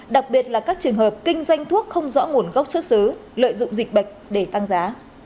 đặc biệt là các trường hợp kinh doanh thuốc không rõ nguồn gốc xuất xứ lợi dụng dịch bệnh để tăng giá